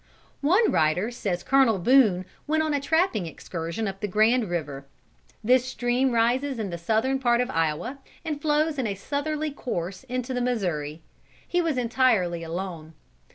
One writer says Colonel Boone went on a trapping excursion up the Grand River. This stream rises in the southern part of Iowa, and flows in a southerly course into the Missouri. He was entirely alone.